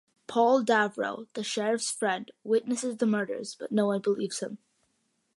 Paul Davrow, the sheriff's friend, witnesses the murders, but no one believes him.